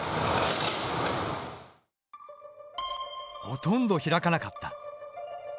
ほとんど開かなかった。